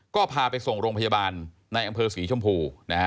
ก็พาไปส่งโรงพยาบาลในอำเภอศรีชมพู